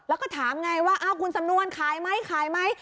แล้วก็ถามไงว่าคุณสำนวนขายไหมขายไหม